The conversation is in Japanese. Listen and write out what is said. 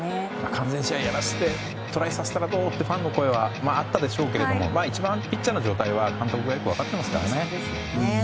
完全試合やらせてトライさせたらどうってファンの声はあったでしょうけど一番、ピッチャーの状態は監督がよく分かっていますからね。